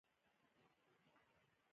ایا ستاسو لمونځونه په وخت دي؟